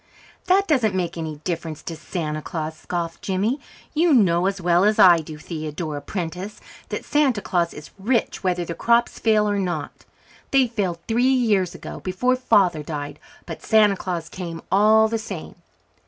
"That doesn't make any difference to Santa Claus," scoffed Jimmy. "You know as well as I do, Theodora Prentice, that Santa Claus is rich whether the crops fail or not. They failed three years ago, before Father died, but Santa Claus came all the same.